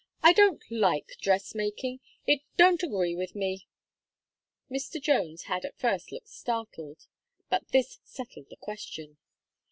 "I don't like dress making it don't agree with me." Mr. Jones had at first looked startled, but this settled the question.